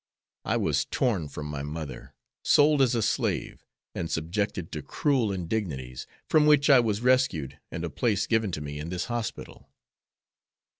I was torn from my mother, sold as a slave, and subjected to cruel indignities, from which I was rescued and a place given to me in this hospital.